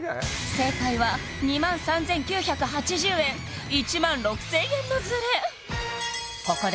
正解は２万３９８０円１万６０００円のズレ